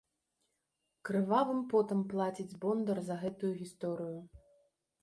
Крывавым потам плаціць бондар за гэтую гісторыю.